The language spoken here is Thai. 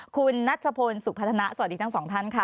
คุณนัชโภนสุขภาษณะสวัสดีทั้งสองท่านค่ะ